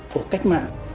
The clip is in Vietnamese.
của cách mạng